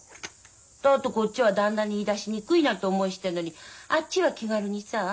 だってこっちは旦那に言い出しにくいなんて思いしてんのにあっちは気軽にさあ